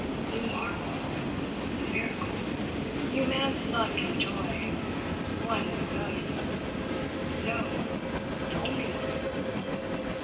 "You marvel, you miracle, you man's luck and joy one in a million! No, the only one.